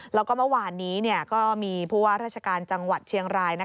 แล้วก็เมื่อวานนี้ก็มีผู้ว่าราชการจังหวัดเชียงราย